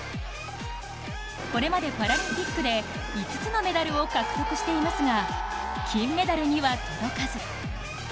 これまでパラリンピックで５つのメダルを獲得していますが金メダルには届かず。